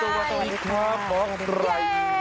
สวัสดีค่ะหมอไก่